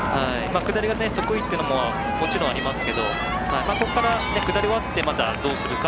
下りが得意というのももちろん、ありますけどここから下り、どうするか。